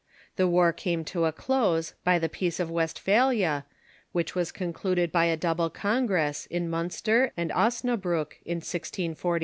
The Avar came to a close by the Peace of Westpha lia, which was concluded by a double congress, in Miinster and Osnabriick, 1648.